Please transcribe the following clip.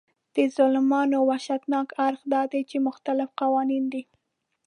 د ظلمونو وحشتناک اړخ دا دی چې مختلف قوانین دي.